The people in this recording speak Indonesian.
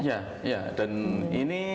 ya dan ini